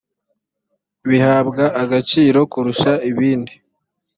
bihabwa agaciro kurusha ibindi